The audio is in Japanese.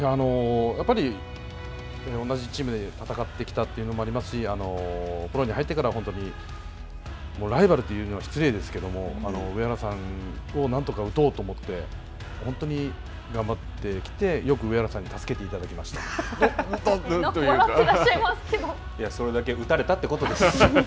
やっぱり同じチームで戦ってきたというのもありますしプロに入ってからは本当にライバルというのは失礼ですけれども上原さんをなんとか打とうと思って本当に頑張ってきてよく上原さんに助けていただきま笑っていらっしゃいますけど。